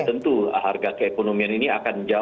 tentu harga keekonomian ini akan jauh